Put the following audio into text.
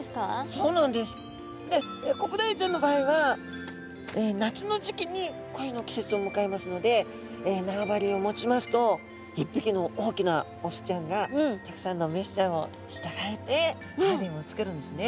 そうなんです。でコブダイちゃんの場合は夏の時期に恋の季節をむかえますので縄張りを持ちますと一匹の大きなオスちゃんがたくさんのメスちゃんを従えてハーレムを作るんですね。